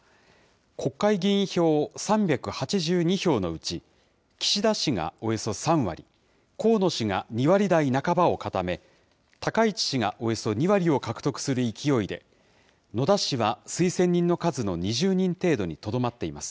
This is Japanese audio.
国会議員票３８２票のうち、岸田氏がおよそ３割、河野氏が２割台半ばを固め、高市氏がおよそ２割を獲得する勢いで、野田氏は推薦人の数の２０人程度にとどまっています。